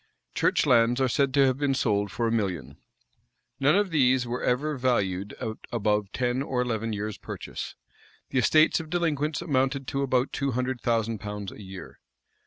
Church lands are said to have been sold for a million.[v*] None of these were ever valued at above ten or eleven years' purchase.[v] The estates of delinquents amounted to above two hundred thousand pounds a year.